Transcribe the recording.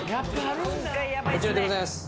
こちらでございます。